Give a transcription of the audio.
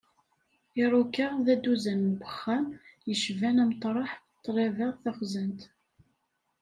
Iruka, d dduzan n wexxam yecban ameṭreḥ, ṭṭlaba, taxzant...